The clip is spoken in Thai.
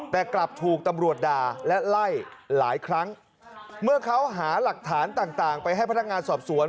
แต่กลับถูกตำรวจด่าและไล่หลายครั้งเมื่อเขาหาหลักฐานต่างต่างไปให้พนักงานสอบสวน